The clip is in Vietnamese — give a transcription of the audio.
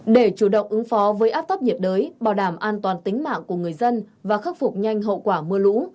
để chủ động ứng phó với áp thấp nhiệt đới bảo đảm an toàn tính mạng của người dân và khắc phục nhanh hậu quả mưa lũ